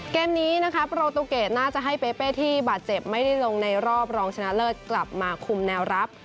เกมนี้นะคะโปรตูเกตน่าจะให้เปเป้ที่บาดเจ็บไม่ได้ลงในรอบรองชนะเลิศกลับมาคุมแนวรับ